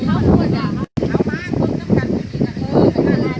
ก็อย่างเรื่องราว